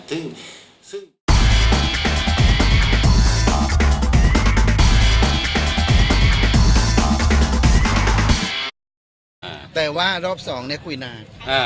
แต่ว่ารอบสองเนี่ยคุยนาน